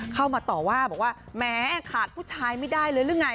เข้ามาต่อว่าบอกว่าแม้ขาดผู้ชายไม่ได้เลยหรือไง